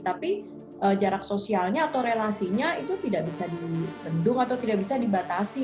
tapi jarak sosialnya atau relasinya itu tidak bisa dibendung atau tidak bisa dibatasi